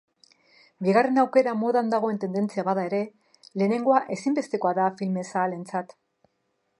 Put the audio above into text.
Bigarren aukera modan dagoen tendentzia bada ere, lehenengoa ezinbestekoa da filme-zaleentzat.